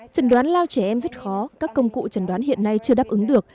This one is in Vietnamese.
trần đoán lao trẻ em rất khó các công cụ trần đoán hiện nay chưa đáp ứng được